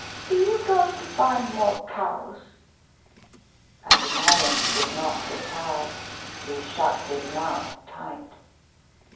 " Be you goin' to buy more cows?" Adoniram did not reply; he shut his mouth tight.